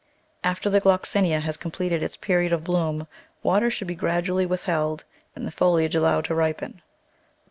After the Gloxinia has completed its period of bloom water should be grad ually withheld and the foliage allowed to ripen.